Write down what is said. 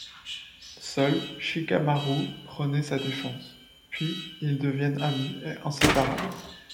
Seul Shikamaru prenait sa défense, puis ils deviennent amis et inséparables.